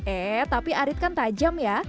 eh tapi arit kan tajam ya